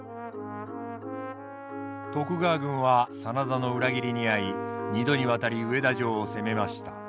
徳川軍は真田の裏切りに遭い２度にわたり上田城を攻めました。